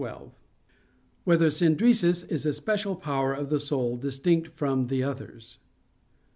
12] Whether Synderesis Is a Special Power of the Soul Distinct from the Others?